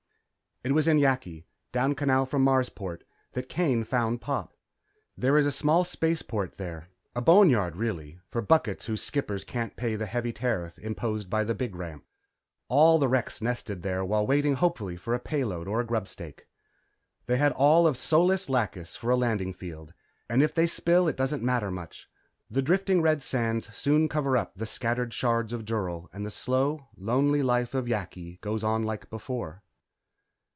It was in Yakki, down canal from Marsport, that Kane found Pop. There is a small spaceport there a boneyard, really for buckets whose skippers can't pay the heavy tariff imposed by the big ramp. All the wrecks nest there while waiting hopefully for a payload or a grubstake. They have all of Solis Lacus for a landing field, and if they spill it doesn't matter much. The drifting red sands soon cover up the scattered shards of dural and the slow, lonely life of Yakki goes on like before.